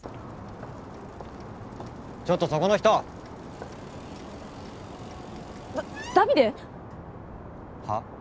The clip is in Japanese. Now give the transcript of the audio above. ちょっとそこの人ダダビデ？はっ？